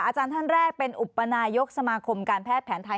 อาจารย์ท่านแรกเป็นอุปนายกสมาคมการแพทย์แผนไทย